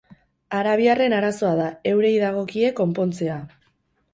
Arabiarren arazoa da, eurei dagokie konpontzea.